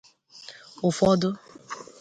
Ụfọdụ